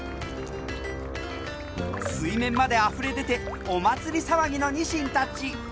水面まであふれ出てお祭り騒ぎのニシンたち。